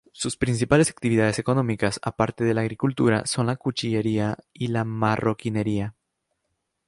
Sus principales actividades económicas, aparte la agricultura, son la cuchillería y la marroquinería.